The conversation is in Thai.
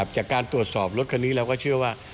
จากการตรวจสอบรถคันนี้เราก็เชื่อว่า